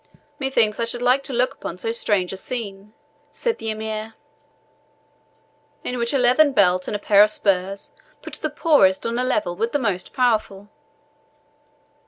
"Methinks I should like to look upon so strange a scene," said the Emir, "in which a leathern belt and a pair of spurs put the poorest on a level with the most powerful."